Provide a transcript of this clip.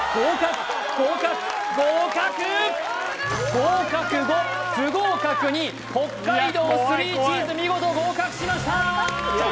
合格５不合格２北海道３チーズ見事合格しましたー！